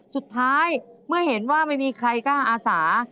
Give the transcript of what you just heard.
สุดท้ายเมื่อเห็นว่าไม่มีใครกล้าอาสา